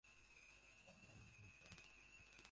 Ramón Ripoll.